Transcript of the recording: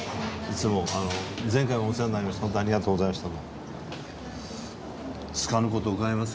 いつも前回もお世話になりまして本当にありがとうございました。